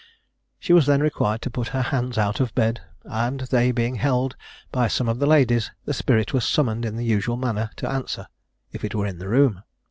She was then required to put her hands out of bed, and they being held by some of the ladies, the spirit was summoned in the usual manner to answer, if it were in the room.